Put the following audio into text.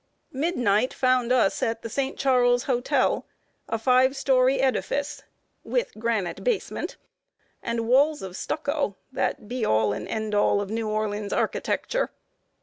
Midnight found us at the St. Charles Hotel, a five story edifice, with granite basement and walls of stucco that be all and end all of New Orleans architecture.